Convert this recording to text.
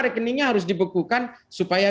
rekeningnya harus dibekukan supaya